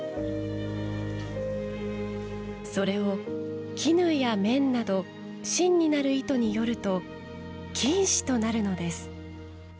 それを絹や綿など芯になる糸によると金糸となるのです。